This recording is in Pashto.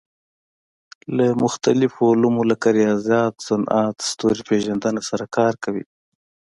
له مختلفو علومو لکه ریاضیات، صنعت، ستوري پېژندنه سره کار کوي.